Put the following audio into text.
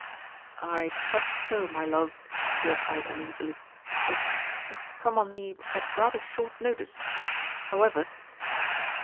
"I trust so, my love," he replied uneasily. "It it's come on me at rather short notice. However!"